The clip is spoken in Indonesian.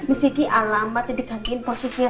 misiki alamatnya dikakin